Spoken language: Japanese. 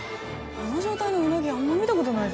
あの状態のうなぎあんま見たことないぞ。